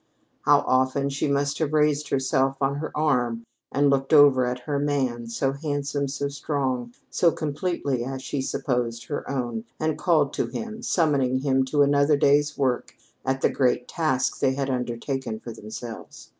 How often she must have raised herself on her arm and looked over at her man, so handsome, so strong, so completely, as she supposed, her own, and called to him, summoning him to another day's work at the great task they had undertaken for themselves.